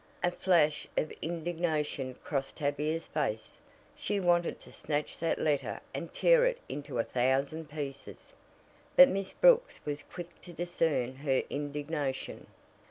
A flash of indignation crossed Tavia's face. She wanted to snatch that letter and tear it into a thousand pieces. But Miss Brooks was quick to discern her indignation.